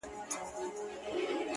د ځنګله پاچا په ځان پوري حیران وو -